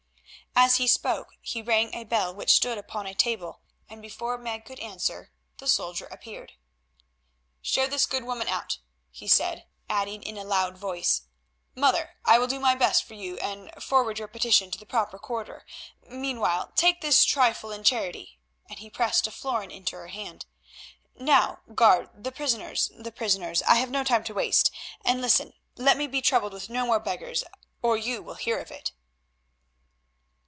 As he spoke he rang a bell which stood upon a table, and before Meg could answer the soldier appeared. "Show this good woman out," he said, adding, in a loud voice, "Mother, I will do my best for you and forward your petition to the proper quarter. Meanwhile, take this trifle in charity," and he pressed a florin into her hand. "Now, guard, the prisoners, the prisoners. I have no time to waste—and listen—let me be troubled with no more beggars, or you will hear of it."